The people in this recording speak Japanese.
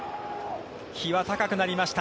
日は高くなりました。